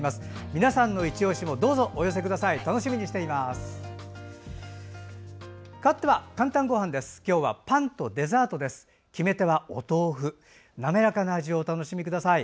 皆さんのいちオシもどうぞお寄せください。